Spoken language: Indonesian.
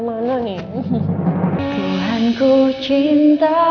mau peluk rena